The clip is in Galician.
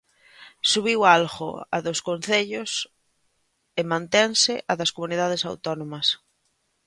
Subiu algo a dos concellos e mantense a das comunidades autónomas.